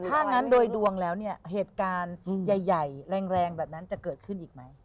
ถ้างั้นโดยดวงแล้วเนี่ยเหตุการณ์ใหญ่แรงแบบนั้นจะเกิดขึ้นอีกไหม